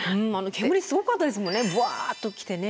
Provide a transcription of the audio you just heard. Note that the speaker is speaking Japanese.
煙すごかったですもんね